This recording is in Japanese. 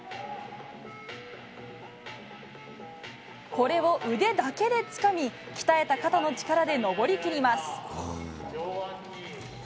これを腕だけでつかみ、鍛えた肩の力で登りきります。